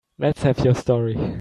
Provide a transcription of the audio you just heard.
Let's have your story.